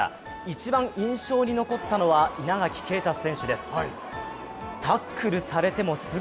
一番印象に残ったのは稲垣選手です。